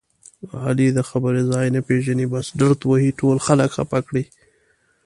علي د خبرې ځای نه پېژني بس ډرت وهي ټول خلک خپه کړي.